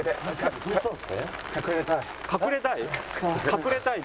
隠れたい？